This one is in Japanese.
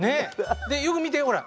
よく見てほら。